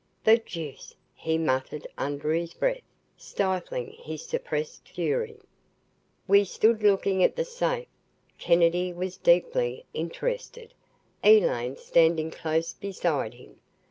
"The deuce!" he muttered under his breath, stifling his suppressed fury. We stood looking at the safe. Kennedy was deeply interested, Elaine standing close beside him.